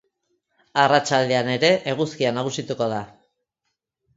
Arratsaldean ere eguzkia nagusituko da.